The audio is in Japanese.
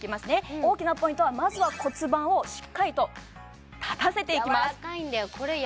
大きなポイントはまずは骨盤をしっかりと立たせていきます